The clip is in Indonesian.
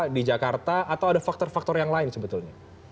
di jakarta atau ada faktor faktor yang lain sebetulnya